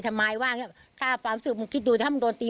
ตายไกลแล้วใช่ไหมมันพูดอย่างนี้